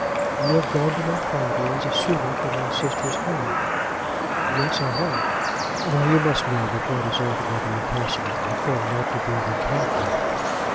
"You have gone to my father as a suitor for my sister's hand." "Yes, I have." "Now you must know that that is altogether impossible, a thing not to be even talked of."